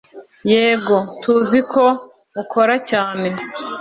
Yego, tuzi ko ukora cyane.